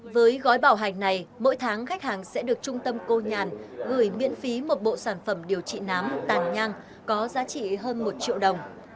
với gói bảo hành này mỗi tháng khách hàng sẽ được trung tâm cô nhàn gửi miễn phí một bộ sản phẩm điều trị nám tàn nhang có giá trị hơn một triệu đồng